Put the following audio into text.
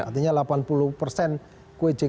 jadi kita harus mengambil kepentingan kesehatan